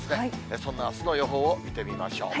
そんなあすの予想を見てみましょう。